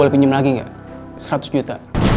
pinjam lagi tuh satu